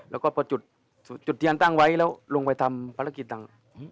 แล้วก็พอจุดเทียนตั้งไว้แล้วลงไปทำภารกิจต่าง